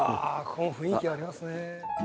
ここも雰囲気ありますね。